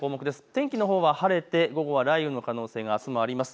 天気のほうは晴れて午後は雷雨の可能性があすもあります。